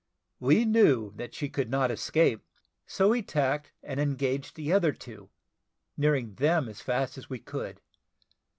We knew that she could not escape, so we tacked and engaged the other two, nearing them as fast as we could.